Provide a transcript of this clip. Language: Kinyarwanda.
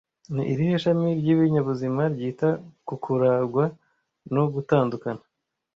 Ni irihe shami ryibinyabuzima ryita ku kuragwa no gutandukana